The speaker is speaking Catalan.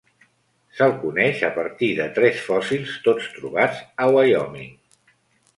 Se'l coneix a partir de tres fòssils, tots trobats a Wyoming.